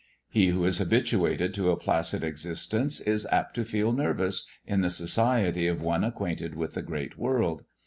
He who is habituated to a placid existence is apt to feel nervous in the society of one acquainted with the great world.